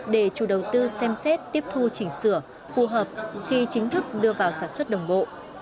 để chủ đầu tư xem xét tiếp thu chỉnh sửa phù hợp khi chính thức đưa vào sản xuất đồng bộ